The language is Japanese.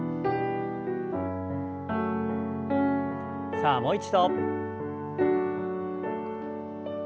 さあもう一度。